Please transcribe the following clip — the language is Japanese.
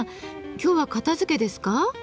今日は片づけですか？